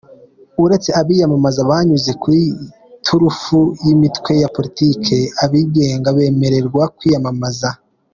Uretse abiyamamaza banyuze ku iturufu y’imitwe ya politiki, abigenga bemererwa kwiyamamaza.